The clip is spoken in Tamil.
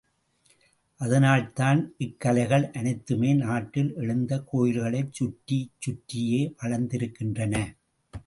அதனால்தான் இக்கலைகள் அனைத்துமே நாட்டில் எழுந்த கோயில்களைச் சுற்றிச் சுற்றியே வளர்ந்திருக்கின்றன.